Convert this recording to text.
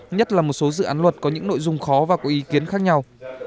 nhất là một số dự án luật có những nội dung khó và có ý kiến khác nhau